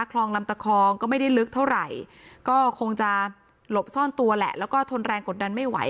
คลองลำตะคองก็ไม่ได้ลึกเท่าไหร่ก็คงจะหลบซ่อนตัวแหละแล้วก็ทนแรงกดดันไม่ไหว